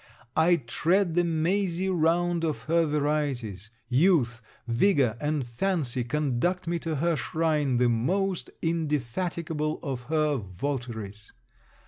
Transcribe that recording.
I tread the mazy round of her varieties. Youth, vigour, and fancy conduct me to her shrine, the most indefatigable of her votaries.